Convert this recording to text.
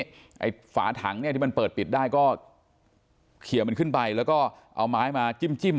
ไอ้ฝาถังเนี่ยที่มันเปิดปิดได้ก็เคลียร์มันขึ้นไปแล้วก็เอาไม้มาจิ้ม